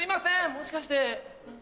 もしかして。